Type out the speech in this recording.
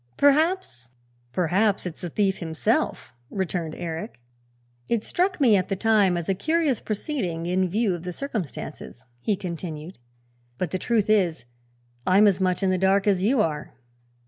Perhaps " "Perhaps it's the thief himself," returned Eric. "It struck me at the time as a curious proceeding, in view of the circumstances," he continued; "but the truth is, I'm as much in the dark as you are."